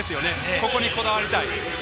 そこにこだわりたい。